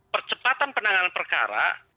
percepatan penanganan perkara